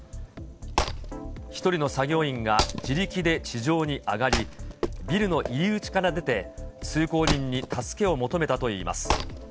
１人の作業員が自力で地上に上がり、ビルの入り口から出て通行人に助けを求めたといいます。